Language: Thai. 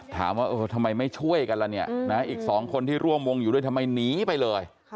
ถามว่าเออทำไมไม่ช่วยกันล่ะเนี่ยนะอีก๒คนที่ร่วมวงอยู่ด้วยทำไมหนีไปเลย